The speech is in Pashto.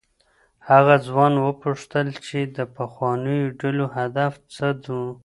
هغه ځوان وپوښتل چي د پخوانيو ډلو هدف څه و.